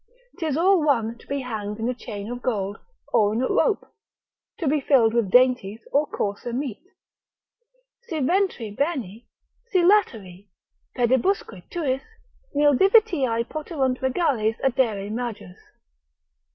'Tis all one to be hanged in a chain of gold, or in a rope; to be filled with dainties or coarser meat. Si ventri bene, si lateri, pedibusque tuis, nil Divitiae poterunt regales addere majus.